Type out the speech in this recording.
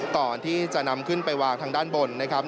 ก่อนที่จะนำขึ้นไปวางทางด้านบนนะครับ